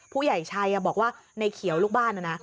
ผู้ใหญ่ชัยบอกว่าในเขียวลูกบ้านนะนะ